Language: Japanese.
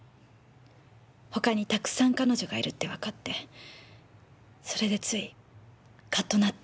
他にたくさん彼女がいるってわかってそれでついカッとなって。